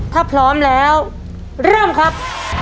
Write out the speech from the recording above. ถ้าพร้อมแล้วเริ่มครับ